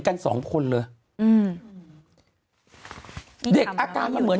คุณหนุ่มกัญชัยได้เล่าใหญ่ใจความไปสักส่วนใหญ่แล้ว